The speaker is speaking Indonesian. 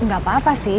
nggak apa apa sih